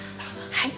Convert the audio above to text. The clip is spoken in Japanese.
はい。